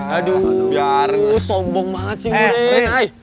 aduh sombong banget sih gue